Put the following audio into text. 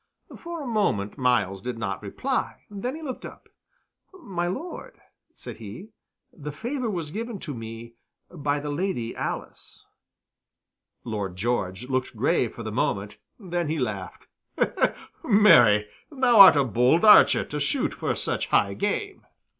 For a moment Myles did not reply; then he looked up. "My Lord," said he, "the favor was given to me by the Lady Alice." Lord George looked grave for the moment; then he laughed. "Marry, thou art a bold archer to shoot for such high game."